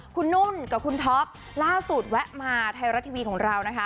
คุณนุ่นกับคุณท็อปล่าสุดแวะมาไทยรัฐทีวีของเรานะคะ